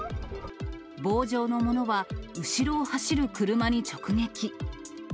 棒状のものは、後ろを走る車に直撃。